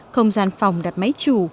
không gian phòng đặt máy chủ